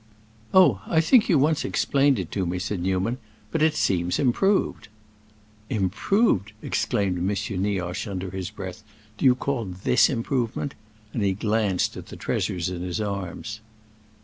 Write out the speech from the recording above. "Oh, I think you once explained it to me," said Newman. "But it seems improved." "Improved!" exclaimed M. Nioche, under his breath. "Do you call this improvement?" And he glanced at the treasures in his arms.